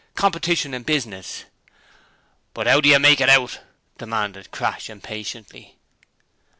Competition in business ' 'But 'ow do you make it out?' demanded Crass, impatiently.